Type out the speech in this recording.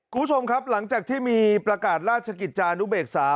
คุณผู้ชมครับหลังจากที่มีประกาศราชกิจจานุเบกษา